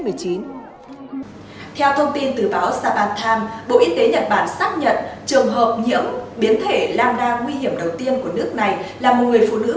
theo thông tin từ báo sabatham bộ y tế nhật bản xác nhận trường hợp nhiễm biến thể lambda nguy hiểm đầu tiên của nước này là một người phụ nữ ba mươi tuổi vừa trở về từ peru